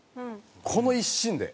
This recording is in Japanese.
この一心で。